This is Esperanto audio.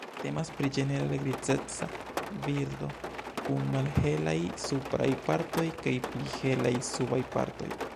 Temas pri ĝenerale grizeca birdo kun malhelaj supraj partoj kaj pli helaj subaj partoj.